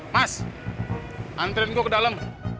mas antrian gue ke dalam